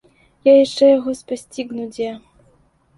Я яшчэ яго спасцігну дзе!